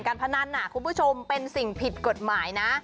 พนันคุณผู้ชมเป็นสิ่งผิดกฎหมายนะ